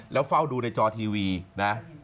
แล้วเฝ้าดูในจอทีวีนะ